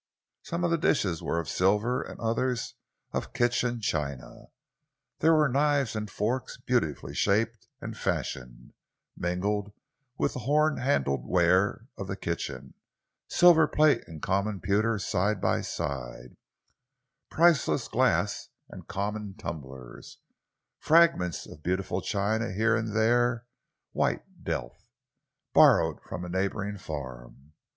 Some of the dishes were of silver and others of kitchen china. There were knives and forks beautifully shaped and fashioned, mingled with the horn handled ware of the kitchen; silver plate and common pewter side by side; priceless glass and common tumblers; fragments of beautiful china and here and there white delf, borrowed from a neighbouring farm.